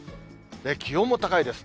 気温も高いです。